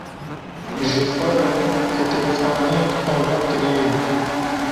Ji xwe re kitêbxaneyek ava kiriye.